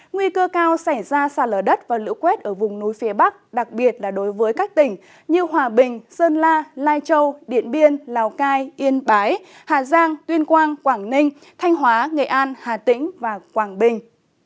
nguy cơ cao xảy ra xa lở đất và lũ quét ở vùng núi phía bắc đặc biệt là đối với các tỉnh như hòa bình sơn la lai châu điện biên lào cai yên bái hà giang tuyên quang quảng ninh thanh hóa nghệ an hà tĩnh và quảng bình